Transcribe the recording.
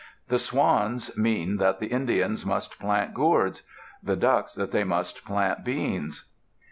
The swans mean that the Indians must plant gourds; the ducks, that they must plant beans.